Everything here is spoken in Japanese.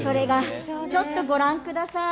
ちょっとご覧ください。